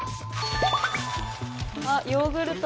あヨーグルト。